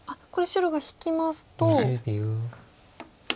これ白が引きますと。